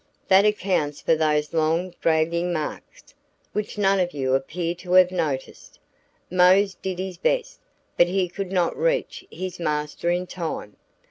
That accounts for those long dragging marks, which none of you appear to have noticed. Mose did his best, but he could not reach his master in time.